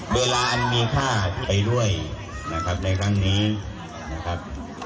ดูลานมีค่าที่ไว้ด้วยนะครับในครางนี้